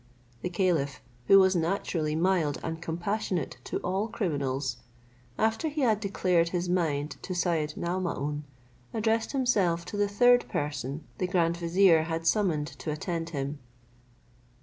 The caliph, who was naturally mild and compassionate to all criminals, after he had declared his mind to Syed Naomaun, addressed himself to the third person the grand vizier had summoned to attend him.